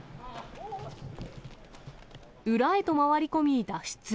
裏へと回り込み、脱出。